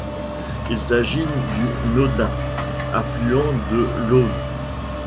Il s'agit du Naudin, affluent de l'Aume.